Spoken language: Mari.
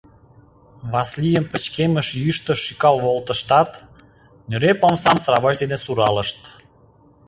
Васлийым пычкемыш йӱштыш шӱкал волтыштат, нӧреп омсам сравоч дене суралышт.